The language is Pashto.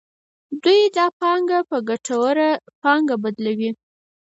دوی دا پانګه په ګټوره پانګه بدلوي